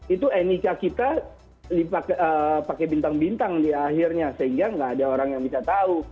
itu nik kita pakai bintang bintang di akhirnya sehingga nggak ada orang yang bisa tahu